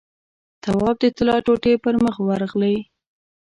تواب د طلا ټوټې پر مخ ورغلې.